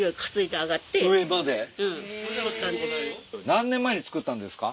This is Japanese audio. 何年前に造ったんですか？